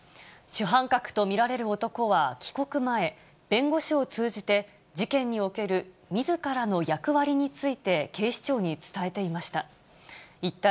主犯格と見られる男は帰国前、弁護士を通じて、事件におけるみずからの役割について警視庁に伝えていました。